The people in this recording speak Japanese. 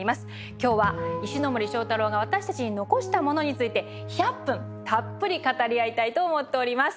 今日は「石森章太郎が私たちに残したもの」について１００分たっぷり語り合いたいと思っております。